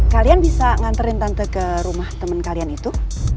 kalian bisa nganterin tante ke rumah temen kalian itu